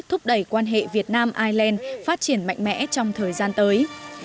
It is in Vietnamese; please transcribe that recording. thúc đẩy quan hệ việt nam ireland phát triển mạnh mẽ trong thời gian tới